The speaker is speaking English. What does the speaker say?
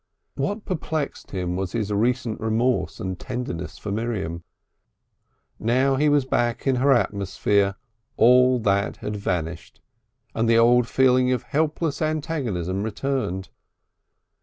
What perplexed him was his recent remorse and tenderness for Miriam. Now he was back in her atmosphere all that had vanished, and the old feeling of helpless antagonism returned.